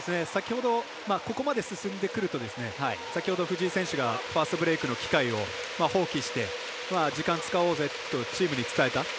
先ほどここまで進んでくると先ほど藤井選手がファーストブレークの機会を放棄して時間使おうぜとチームに伝えた。